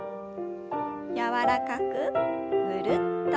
柔らかくぐるっと。